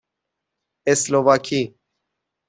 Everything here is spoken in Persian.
اسلواکی